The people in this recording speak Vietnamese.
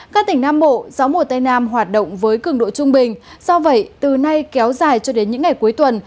các tỉnh nam bộ gió mùa tây nam hoạt động với cường độ trung bình do vậy từ nay kéo dài cho đến những ngày cuối tuần